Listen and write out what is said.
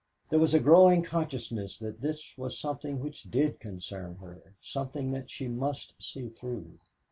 There was a growing consciousness that this was something which did concern her, something that she must see through.